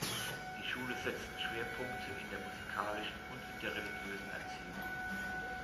Die Schule setzt Schwerpunkte in der musikalischen und in der religiösen Erziehung.